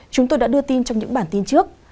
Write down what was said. chúng tôi đã đưa tin trong những bản tin trước